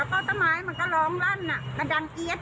แล้วก็ต้นไม้มันก็ร้องลั่นมันดังเกี๊ยด